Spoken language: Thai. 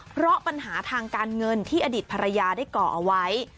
เพราะปัญหาทางการเงินที่อดีตภรรยาได้ก่อเอาไว้